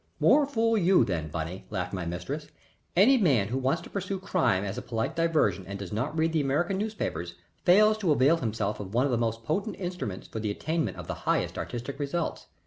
"More fool you, then, Bunny," laughed my mistress. "Any man who wants to pursue crime as a polite diversion and does not read the American newspapers fails to avail himself of one of the most potent instruments for the attainment of the highest artistic results.